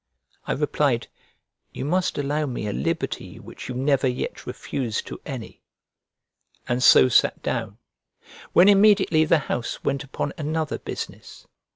" I replied, "You must allow me a liberty which you never yet refused to any;" and so sat down: when immediately the house went upon another business.